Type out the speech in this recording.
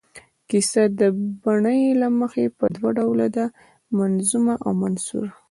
کیسه د بڼې له مخې په دوه ډوله ده، منظومه او منثوره.